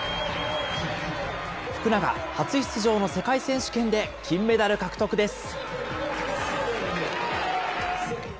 福永、初出場の世界選手権で金メダル獲得です。